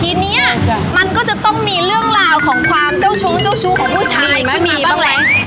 ทีนี้ใช่จ้ะมันก็จะต้องมีเรื่องราวของความเจ้าชุ้นเจ้าชุ้นของผู้ชายขึ้นมาบ้างไหมมีมั้ยมีบ้างไหม